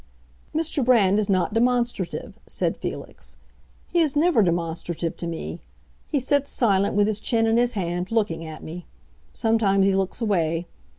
"Mr. Brand is not demonstrative," said Felix. "He is never demonstrative to me. He sits silent, with his chin in his hand, looking at me. Sometimes he looks away.